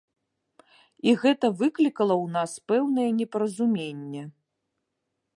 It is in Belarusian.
І гэта выклікала ў нас пэўнае непаразуменне.